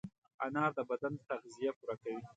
انار د بدن تغذیه پوره کوي.